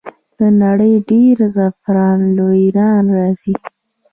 د نړۍ ډیری زعفران له ایران راځي.